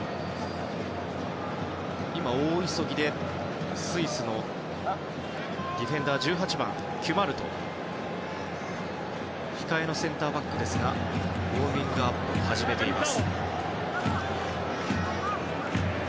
今、大急ぎでスイスのディフェンダーの１８番、キュマルト控えのセンターバックですがウォーミングアップを始めています。